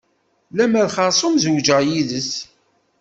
Lemer xeṛṣum zewǧeɣ yid-s.